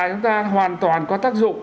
chúng ta hoàn toàn có tác dụng